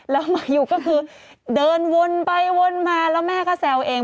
แล้วมาอยู่ก็คือเดินวนไปวนมาแล้วแม่ก็แซวเอง